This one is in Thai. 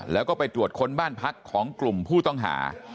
แล้วก็ไปตรวจค้นบ้านพักของกลุ่มผู้ต้องหา